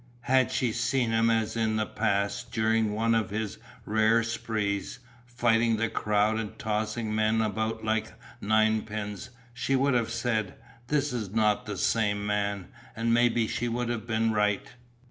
Had she seen him as in the past during one of his rare sprees, fighting the crowd and tossing men about like ninepins, she would have said: 'This is not the same man' and maybe she would have been right.